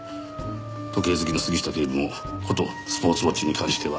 時計好きの杉下警部もことスポーツウオッチに関しては。